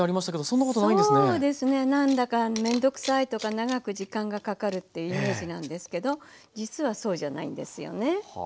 そうですね何だか面倒くさいとか長く時間がかかるっていうイメージなんですけど実はそうじゃないんですよね。